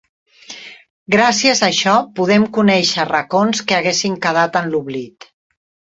Gràcies a això, podem conèixer racons que haguessin quedat en l'oblit.